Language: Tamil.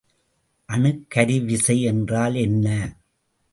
அணுக்கருவிசை என்றால் என்ன?